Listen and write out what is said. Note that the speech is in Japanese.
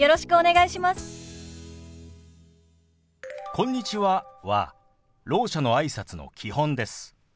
「こんにちは」はろう者のあいさつの基本です。